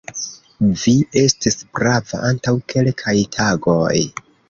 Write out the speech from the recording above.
Vi estis prava antaŭ kelkaj tagoj.